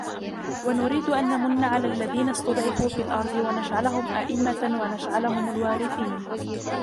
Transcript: وَنُرِيدُ أَنْ نَمُنَّ عَلَى الَّذِينَ اسْتُضْعِفُوا فِي الْأَرْضِ وَنَجْعَلَهُمْ أَئِمَّةً وَنَجْعَلَهُمُ الْوَارِثِينَ